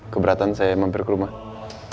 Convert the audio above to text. keberatan saya mampir ke rumah